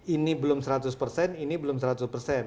ini belum seratus persen ini belum seratus persen